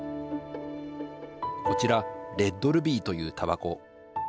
こちら「レッドルビー」というたばこ。